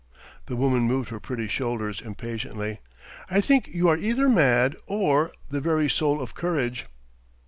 The woman moved her pretty shoulders impatiently. "I think you are either mad or ... the very soul of courage!"